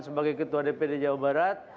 sebagai ketua dpd jawa barat